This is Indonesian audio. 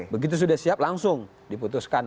begitu sudah siap langsung diputuskan